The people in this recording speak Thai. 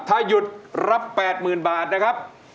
ถ้าหยุดรับ๘๐๐๐บาทนะครับ